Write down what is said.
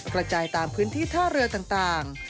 กระจายตามพื้นที่ท่าเรือต่าง